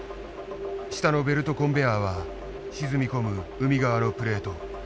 下のベルトコンベアは沈み込む海側のプレート。